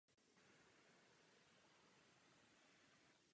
Konfrontuje Quinn a ta souhlasí.